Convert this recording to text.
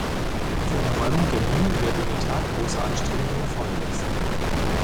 Für eine Räumung der Minen werden in der Tat große Anstrengungen erforderlich sein.